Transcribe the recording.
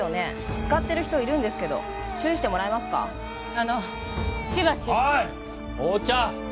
使ってる人いるんですけど注意してもらえますかあのしばし・おい！